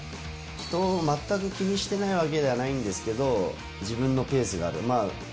人を全く気にしてないわけじゃないんですけど、自分のペースがある。